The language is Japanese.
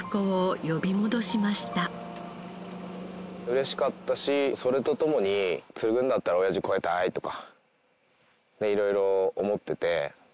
嬉しかったしそれとともに継ぐんだったら親父を超えたいとかいろいろ思ってて。